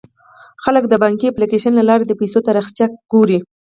خلک د بانکي اپلیکیشن له لارې د پيسو تاریخچه ګوري.